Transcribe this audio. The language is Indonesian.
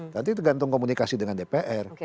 nanti tergantung komunikasi dengan dpr